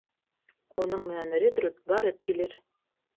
Уның менән Редрут барып килер.